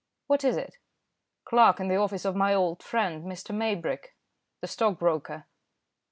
"What is it?" "Clerk in the office of my old friend, Mr. Maybrick, the stockbroker."